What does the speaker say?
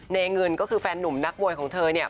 เนเงินก็คือแฟนหนุ่มนักมวยของเธอเนี่ย